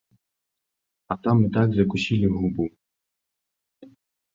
А там і так закусілі губу.